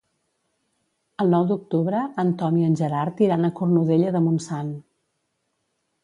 El nou d'octubre en Tom i en Gerard iran a Cornudella de Montsant.